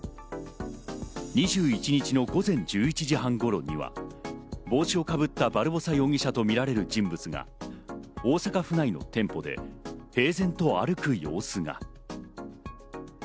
２１日の午前１１時半頃には帽子をかぶったバルボサ容疑者とみられる人物が大阪府内の店舗で平然と歩く様子が。